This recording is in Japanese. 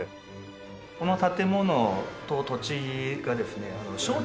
この建物と土地がですね松竹。